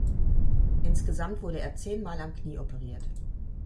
Insgesamt wurde er zehnmal am Knie operiert.